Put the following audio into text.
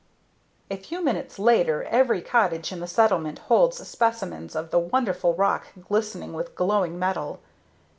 A few minutes later every cottage in the settlement holds specimens of the wonderful rock glistening with glowing metal.